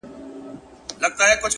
بیرته چي یې راوړې _ هغه بل وي زما نه _